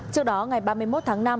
trước đó ngày ba mươi một tháng năm